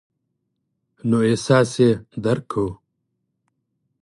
نو احساس یې درک کوو.